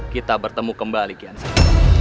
kita bertemu kembali giansan